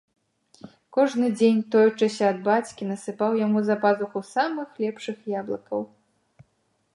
Кожны дзень, тоячыся ад бацькі, насыпаў яму за пазуху самых лепшых яблыкаў.